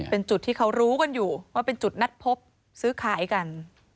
เป็นจุดที่เขารู้กันอยู่ว่าเป็นจุดนัดพบซื้อขายกัน